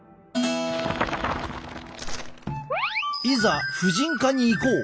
いざ婦人科に行こう！